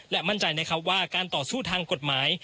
และมั่นใจนะครับว่าการต่อสู้ทางกฎหมาย